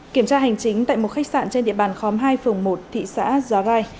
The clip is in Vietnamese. kiểm tra hành chính tại một khách sạn trên địa bàn khóm hai phường một thị xã gia vai